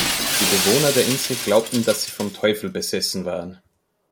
Die Bewohner der Insel glaubten, dass sie vom Teufel besessen waren.